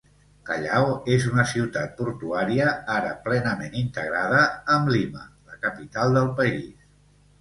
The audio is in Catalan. Callao és una ciutat portuària ara plenament integrada amb Lima, la capital del país.